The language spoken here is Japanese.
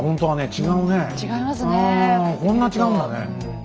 こんな違うんだね。